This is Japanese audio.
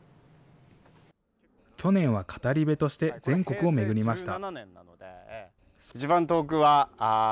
去年は語り部として全国を巡りました。